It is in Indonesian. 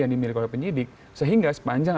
yang dimiliki oleh penyidik sehingga sepanjang